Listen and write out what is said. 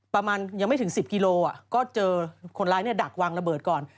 ประมาณยังไม่ถึง๑๐กิโลก็เจอคนร้ายดักวางระเบิดก่อน